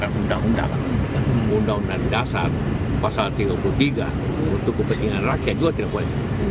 itu lebih lebih diperhentikan